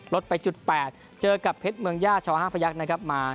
ลดไปจุด๘เจอกับเพชรเมืองญาติช๕พยักษ์